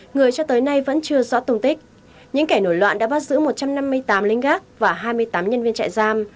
người cho tới nay vẫn chưa rõ tùng tích những kẻ nổi loạn đã bắt giữ một trăm năm mươi tám lính gác và hai mươi tám nhân viên trại giam